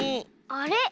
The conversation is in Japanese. あれ？